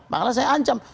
makanya saya ancam